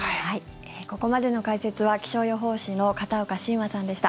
ここまでの解説は気象予報士の片岡信和さんでした。